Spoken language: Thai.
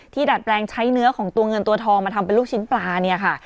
ดัดแปลงใช้เนื้อของตัวเงินตัวทองมาทำเป็นลูกชิ้นปลาเนี่ยค่ะ